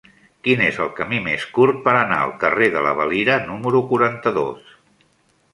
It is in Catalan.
Quin és el camí més curt per anar al carrer de la Valira número quaranta-dos?